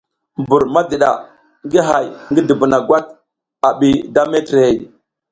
Mbur madiɗa ngi hay ngi dubuna gwata a bi da metrey,